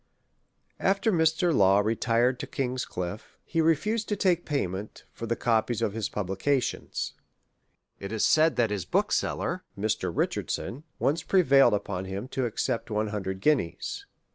After i\Ir. Law retired to King's Cliffe, he refused THE REV. W. LAW. Vll to take payment for the copies of his publications. It is said that his bookseller, Mr. Richardson, once pre vailed upon him to accept one hundred guineas.